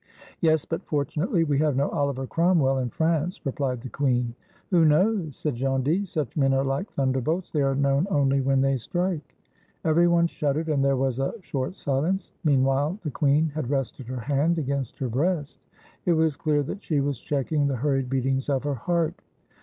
"Yes, but fortunately we have no OHver Cromwell in France," replied the queen. "Who knows?" said Gondy. "Such men are like thunderbolts; they are known only when they strike." Every one shuddered, and there was a short silence. Meanwhile the queen had rested her hand against her breast; it was clear that she was checking the hurried beatings of her heart.